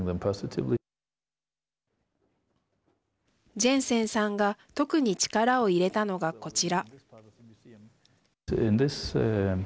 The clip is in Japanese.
ジェンセンさんが特に力を入れたのが、こちら。